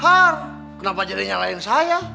har kenapa jadi nyalain saya